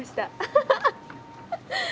ハハハハ！